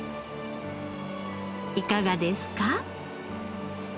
いかがですか？